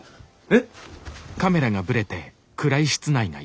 えっ？